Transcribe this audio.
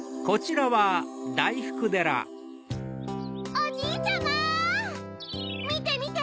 おじいちゃまみてみて！